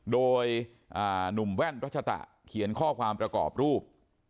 โดยหนุ่มแว่นรัชตะเขียนข้อความประกอบรูป